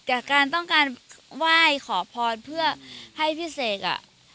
จากการต้องการไหว้ขอพรเพื่อให้พี่เสกอ่ะ